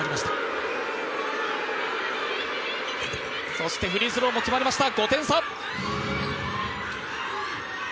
そしてフリースローが決まりました。